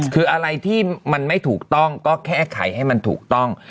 คืออะไรที่มันไม่ถูกต้องก็แค่ไขให้มันถูกต้อง